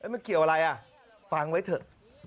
มันเกี่ยวอะไรฟังไว้เถอะ